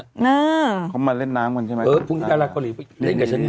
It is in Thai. อ่าเขามาเล่นน้ำมันใช่ไหมเออพรุ่งที่ดาราเกาหลีเล่นกับฉันเนี้ย